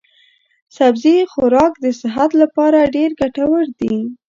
سبزي خوراک د صحت لپاره ډېر ګټور دی.